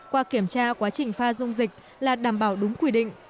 qua kiểm tra quá trình pha dung dịch là đảm bảo đúng quy định